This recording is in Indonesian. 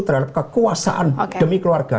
terhadap kekuasaan demi keluarga